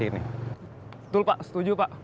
betul pak setuju pak